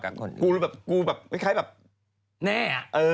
แน่